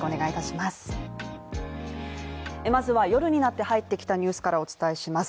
まずは夜になって入ってきたニュースからお伝えします